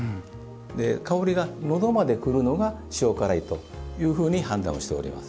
香りが、のどまでくるのが塩辛いというふうに判断をしております。